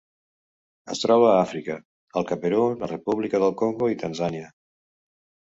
Es troba a Àfrica: el Camerun, la República del Congo i Tanzània.